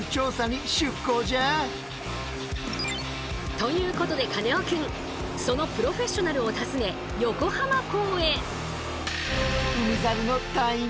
ということでカネオくんそのプロフェッショナルを訪ね横浜港へ。